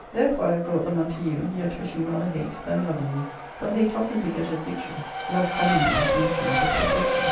Therefore I have brought them unto you, yet wishing rather hate than love in you. For hate often begetteth vic tory ; love commonly is the instrument of subjection.